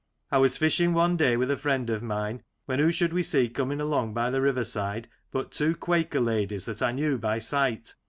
I was fishing one day with a friend of mine, when who should we see coming along by the river side but two Quaker ladies that I knew by sight.